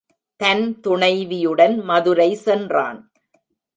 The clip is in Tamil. தன் துணைவியுடன் மதுரை சென்றான்.